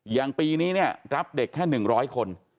อย่างปีนี้เนี่ยรับเด็กแค่๑๐๐คน